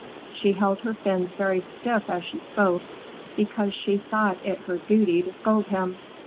She held her fins very stiff as she spoke, because she thought it her duty to scold him.